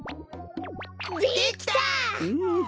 できた！